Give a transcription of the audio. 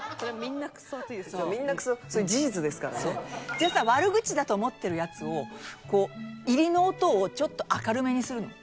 じゃあさ悪口だと思ってるやつを入りの音をちょっと明るめにするの。